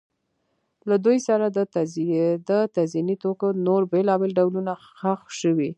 له دوی سره د تزیني توکو نور بېلابېل ډولونه ښخ شوي